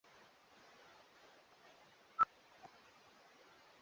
Anamkimbiza mwizi yule